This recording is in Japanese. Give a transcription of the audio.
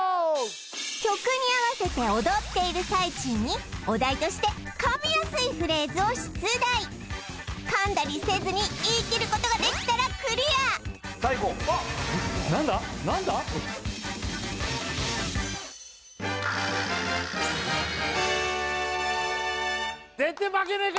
曲に合わせて踊っている最中にお題として噛みやすいフレーズを出題噛んだりせずに言い切ることができたらクリアさあい